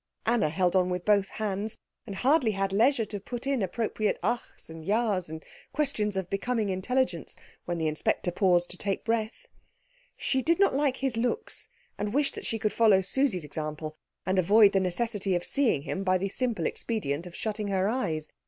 Anna held on with both hands, and hardly had leisure to put in appropriate achs and jas and questions of a becoming intelligence when the inspector paused to take breath. She did not like his looks, and wished that she could follow Susie's example and avoid the necessity of seeing him by the simple expedient of shutting her eyes.